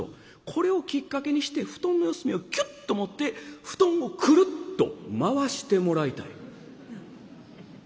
これをきっかけにして布団の四隅をキュッと持って布団をクルッと回してもらいたい」。